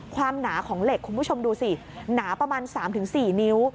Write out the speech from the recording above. ความหนาของเหล็กคุณผู้ชมดูสิหนาประมาณสามถึงสี่นิ้ว